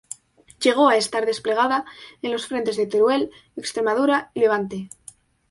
Llegó a estar desplegada en los frentes de Teruel, Extremadura y Levante.